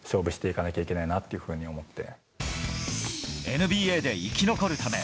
ＮＢＡで生き残るため